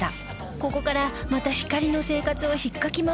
ここからまたひかりの生活を引っかき回す事態が